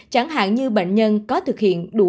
chẳng hạn như bệnh nhân có thực hiện đủ